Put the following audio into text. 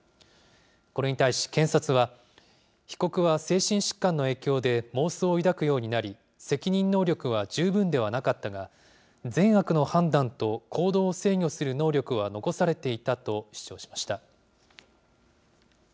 これに対し、検察は被告は精神疾患の影響で妄想を抱くようになり、責任能力は十分ではなかったが、善悪の判断と行動を制御する能力は残されていたと主張しました。